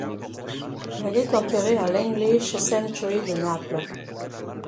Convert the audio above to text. Elle est enterrée à l'English Cemetery de Naples.